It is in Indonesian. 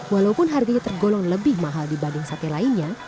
walaupun harganya tergolong lebih mahal dibanding sate lainnya